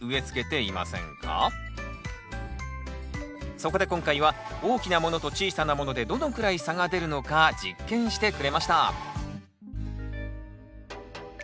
そこで今回は大きなものと小さなものでどのくらい差が出るのか実験してくれました